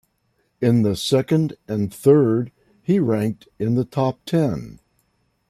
In the second and third he ranked in the top ten.